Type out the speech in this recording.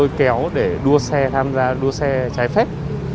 lôi kéo để đua xe tham gia đua xe trái phép